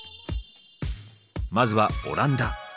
まずはオランダ。